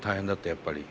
やっぱり。